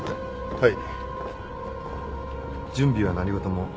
はい。